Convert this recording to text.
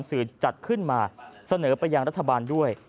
องค์กรสื่อจัดขึ้นมาเสนอประยังรัฐบาลด้วย